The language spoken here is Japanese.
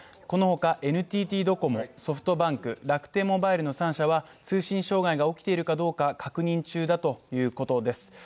この他、ＮＴＴドコモ、ソフトバンク、楽天モバイルの３社は、通信障害が起きているかどうか確認中だということです。